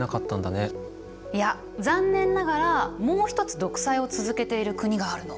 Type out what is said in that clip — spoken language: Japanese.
いや残念ながらもう一つ独裁を続けている国があるの。